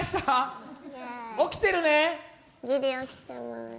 起きてるね。